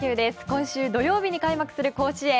今週土曜日に開幕する甲子園。